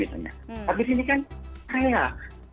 tapi di sini kan kayak